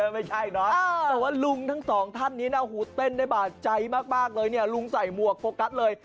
ไม่ใช่เนอะแต่ว่าลุงทั้งสองท่านนี้นะหูเต้นได้บาดใจมากเลยเนี่ยลุงใส่หมวกโฟกัสเลย